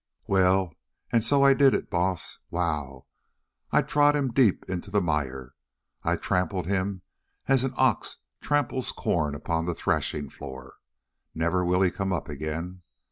"Well, and so I did it, Baas. Wow! I trod him deep into the mire, I trampled him as an ox tramples corn upon a threshing floor. Never will he come up again.